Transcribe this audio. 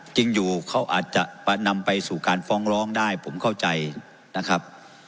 จริงอยู่เขาอาจจะนำไปสู่การฟ้องร้องได้ผมเข้าใจนะครับ